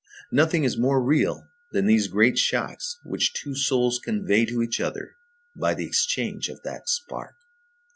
Nothing is more real than these great shocks which two souls convey to each other by the exchange of that spark.